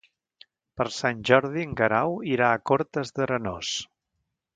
Per Sant Jordi en Guerau irà a Cortes d'Arenós.